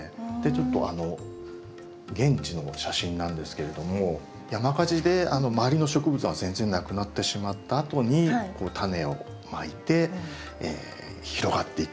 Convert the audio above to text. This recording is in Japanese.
ちょっと現地の写真なんですけれども山火事で周りの植物は全然無くなってしまったあとにこのタネをまいて広がっていくという。